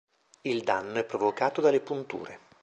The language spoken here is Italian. Il danno è provocato dalle punture.